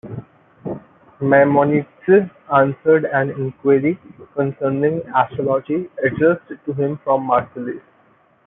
Maimonides answered an inquiry concerning astrology, addressed to him from Marseilles.